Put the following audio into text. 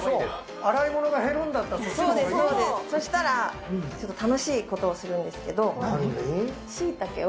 洗い物が減るんそうです、そしたらちょっと楽しいことをするんですけど。